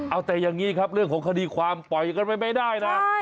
เอาแต่อย่างนี้ครับเรื่องของคดีความปล่อยกันไว้ไม่ได้นะ